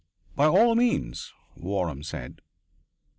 "By all means," Waram said.